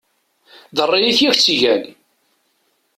D rray-ik i ak-tt-igan!